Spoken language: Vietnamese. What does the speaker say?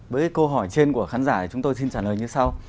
với câu hỏi trên của khán giả chúng tôi xin trả lời như sau